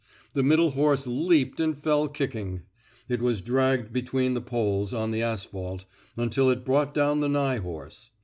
The middle horse leaped and fell kicking. It was dragged between the poles, on the asphalt, until it brought down the nigh horse.